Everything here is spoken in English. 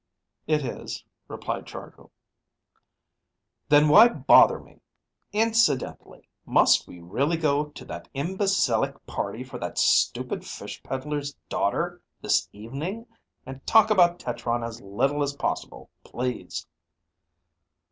"It is," replied Chargill. "Then why bother me. Incidentally, must we really go to that imbecilic party for that stupid fish peddler's daughter this evening? And talk about tetron as little as possible, please."